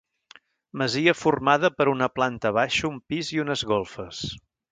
Masia formada per una planta baixa, un pis i unes golfes.